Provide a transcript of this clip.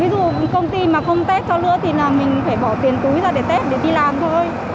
ví dụ công ty mà không test cho nữa thì mình phải bỏ tiền túi ra để test để đi làm thôi